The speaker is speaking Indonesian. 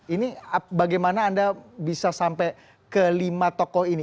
ini bagaimana anda bisa sampai ke lima tokoh ini